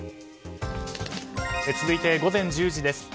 続いて午前１０時です。